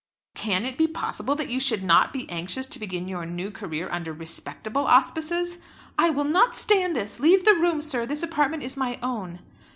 "Can it be possible that you should not be anxious to begin your new career under respectable auspices?" "I will not stand this. Leave the room, sir. This apartment is my own."